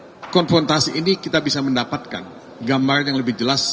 untuk konfrontasi ini kita bisa mendapatkan gambaran yang lebih jelas